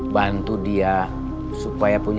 bantu dia supaya percaya